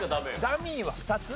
ダミーは２つ？